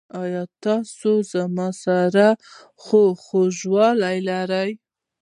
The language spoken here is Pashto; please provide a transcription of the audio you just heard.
ایا تاسو زما سره خواخوږي لرئ؟